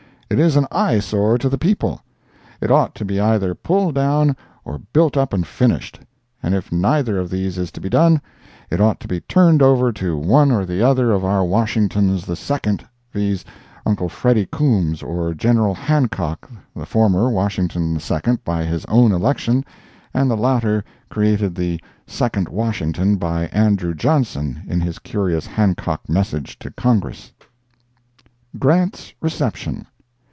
It is an eyesore to the people. It ought to be either pulled down or built up and finished; and if neither of these is to be done, it ought to be turned over to one or the other of our Washingtons the Second, viz, Uncle Freddy Coombs or General Hancock—the former, Washington II by his own election, and the latter created the "Second Washington" by Andrew Johnson, in his curious Hancock Message to Congress. Grant's Reception.